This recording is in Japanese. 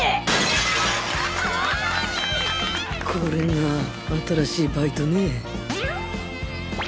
これが新しいバイトねぇ